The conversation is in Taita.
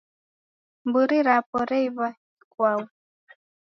Mburi rapo reiwa ikwau.